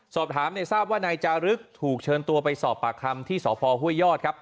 สอบถามเนี่ยทราบว่านายจารึกถูกเชิญตัวไปสอบปากคำที่สพห้วยยอดครับ